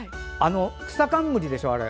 くさかんむりでしょ、あれ。